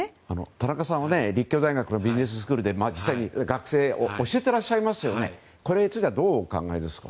田中さんは立教大学のビジネススクールでまさに学生さんを教えていらっしゃいますがこれについてどうお考えですか？